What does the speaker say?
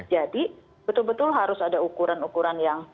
jadi betul betul harus ada ukuran ukuran yang cukup